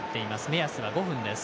目安は５分です。